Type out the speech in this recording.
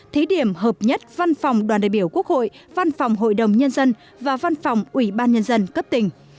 thí điểm hợp nhất văn phòng đoàn đại biểu quốc hội văn phòng hội đồng nhân dân và văn phòng ủy ban nhân dân cấp tỉnh